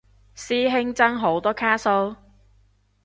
師兄爭好多卡數？